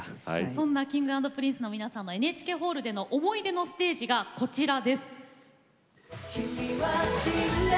そんなＫｉｎｇ＆Ｐｒｉｎｃｅの皆さんのＮＨＫホールでの思い出のステージがこちらです。